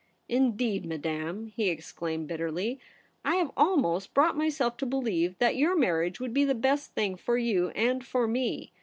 ' Indeed, Madame,' he exclaimed bitterly, ' I have almost brought myself to believe that your marriage would be the best thing for you and for me.